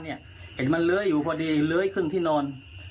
เห็นมันเลื้อยอยู่พอดีเลื้อยขึ้นที่นอน